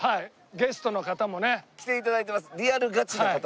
ゲストの方もね。来て頂いてます。